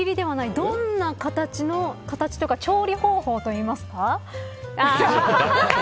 どんな形というか調理方法といいますか。